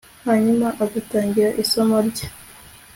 hanyuma agatangira isomo rye